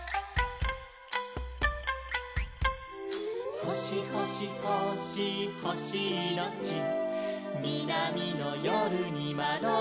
「ほしほしほしほしいのち」「みなみのよるにまどろんで」